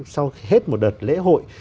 sau hết một đợt lễ hội